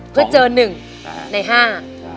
เพื่อเจอหนึ่งในห้า